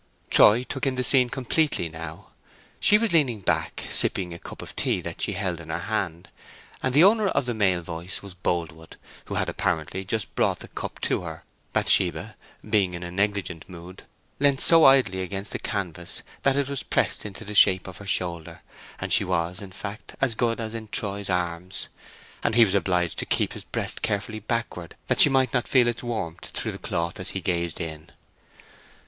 Troy took in the scene completely now. She was leaning back, sipping a cup of tea that she held in her hand, and the owner of the male voice was Boldwood, who had apparently just brought the cup to her, Bathsheba, being in a negligent mood, leant so idly against the canvas that it was pressed to the shape of her shoulder, and she was, in fact, as good as in Troy's arms; and he was obliged to keep his breast carefully backward that she might not feel its warmth through the cloth as he gazed in.